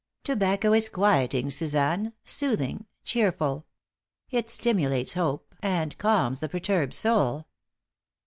"Tobacco is quieting, Suzanne; soothing, cheerful. It stimulates hope and calms the perturbed soul.